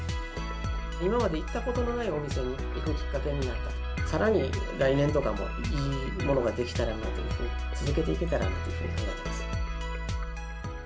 今まで行ったことのないお店に行くきっかけになった、さらに来年とかもいいものができたらなと、続けていけたらなと考えております。